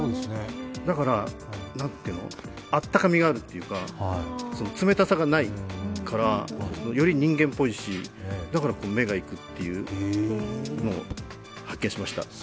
だから、温かみがあるというか、冷たさがないからより人間っぽいしだから目がいくというのを発見しました。